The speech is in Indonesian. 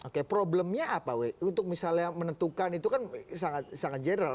oke problemnya apa untuk misalnya menentukan itu kan sangat general